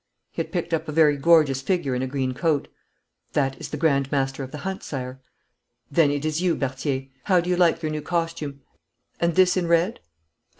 He had picked up a very gorgeous figure in a green coat. 'That is the grand master of the hunt, Sire.' 'Then it is you, Berthier. How do you like your new costume? And this in red?'